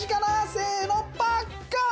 せーのパッカーン！